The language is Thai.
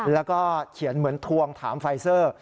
แล้วก็เขียนเหมือนทวงถามไฟเซอร์